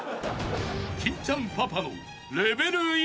［金ちゃんパパの］